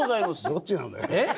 どっちなんだい？